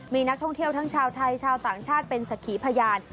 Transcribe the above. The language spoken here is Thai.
มีนักท่องเที่ยวทั้งชาวไทยชาวต่างชาติเป็นสักขีพยาน